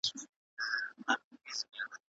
د پيغمبر ص لاره تعقيب کړئ.